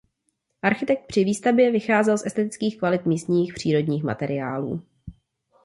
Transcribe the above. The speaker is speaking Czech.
Architekt při výstavbě vycházel z estetických kvalit místních přírodních materiálů.